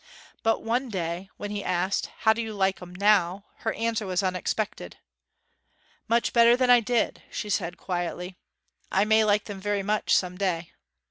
But one day when he asked, 'How do you like 'em now?' her answer was unexpected. 'Much better than I did,' she said, quietly. 'I may like them very much some day.'